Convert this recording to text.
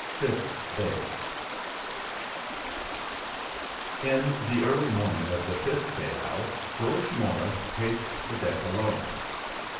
Fifth Day In the early morning of the fifth day out, George Morris paced the deck alone.